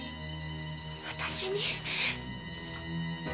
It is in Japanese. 私に？